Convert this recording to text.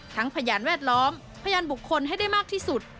พยานแวดล้อมพยานบุคคลให้ได้มากที่สุด